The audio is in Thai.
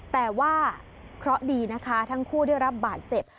แต่ว่าเคราะห์ดีนะคะทั้งคู่ได้รับบาดเจ็บ